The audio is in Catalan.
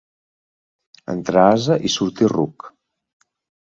Entrar ase i sortir ruc.